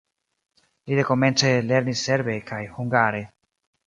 Li dekomence lernis serbe kaj hungare.